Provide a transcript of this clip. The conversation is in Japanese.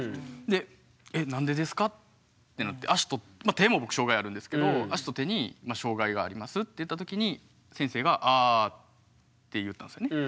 で「え何でですか？」ってなって足と手も僕障害あるんですけど。って言った時に先生が「あ」って言ったんすよね。